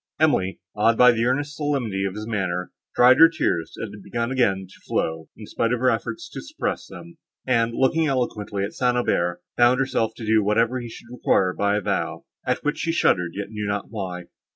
Emily, awed by the earnest solemnity of his manner, dried her tears, that had begun again to flow, in spite of her efforts to suppress them; and, looking eloquently at St. Aubert, bound herself to do whatever he should require by a vow, at which she shuddered, yet knew not why.